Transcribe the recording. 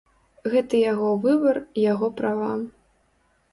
Гэта яго выбар, яго права.